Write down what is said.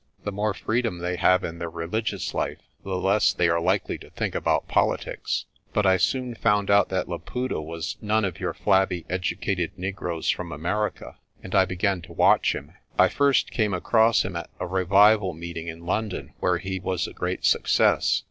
The more freedom they have in their religious life, the less they are likely to think about politics. But I soon found out that Laputa was none of your flabby educated negroes from America, and I began to watch him. "I first came across him at a revival meeting in London where he was a great success.